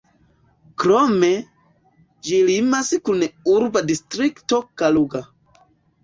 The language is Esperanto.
Krome, ĝi limas kun urba distrikto Kaluga.